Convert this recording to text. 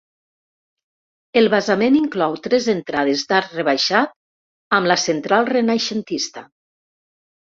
El basament inclou tres entrades d'arc rebaixat, amb la central renaixentista.